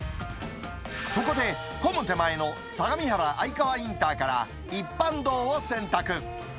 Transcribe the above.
そこで、ほぼ手前の相模原愛川インターから一般道を選択。